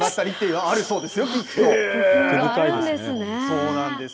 そうなんですよ。